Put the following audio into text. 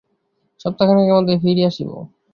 সপ্তাহখানেকের মধ্যেই ফিরিয়া আসিব।